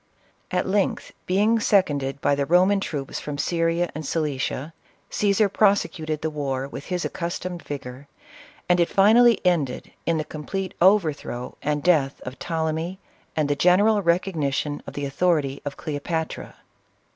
At length, being sec onded by the Roman troops from Syria and Cilicia, Caesar prosecuted the war with his accustomed vigor, and it finally ended in the complete overthrow and death of Ptolemy, and the general recognition of the authority of Cleopatra.